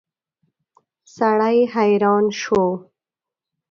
سړی حیران شو.